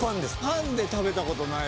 パンで食べたことないわ。